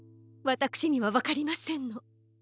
わたくしにはわかりませんの。